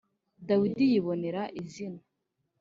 Dawidi yibonera izina